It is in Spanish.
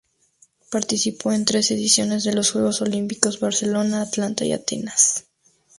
Participó en tres ediciones de los Juegos Olímpicos: Barcelona, Atlanta y Atenas.